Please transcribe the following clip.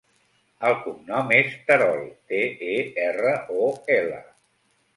El cognom és Terol: te, e, erra, o, ela.